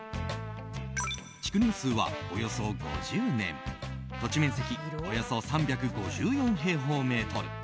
築年数は、およそ５０年土地面積およそ３５４平方メートル